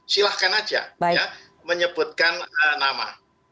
silahkan saja menyebutkan nama